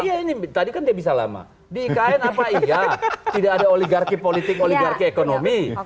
iya ini tadi kan dia bisa lama di ikn apa iya tidak ada oligarki politik oligarki ekonomi